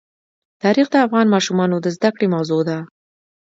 تاریخ د افغان ماشومانو د زده کړې موضوع ده.